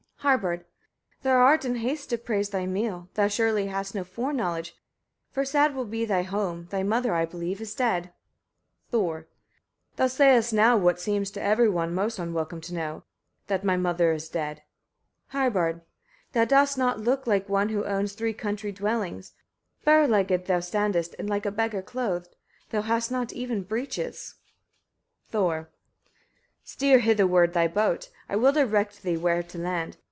Harbard. 4. Thou art in haste to praise thy meal: thou surely hast no foreknowledge; for sad will be thy home: thy mother, I believe, is dead. Thor. 5. Thou sayest now what seems to every one most unwelcome to know that my mother is dead. Harbard. 6. Thou dost not look like one who owns three country dwellings, bare legged thou standest, and like a beggar clothed; thou hast not even breeches. Thor. 7. Steer hitherward thy boat; I will direct thee where to land.